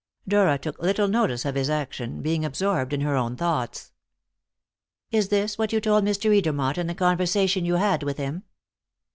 Dora took little notice of his action, being absorbed in her own thoughts. "Is this what you told Mr. Edermont in the conversation you had with him?"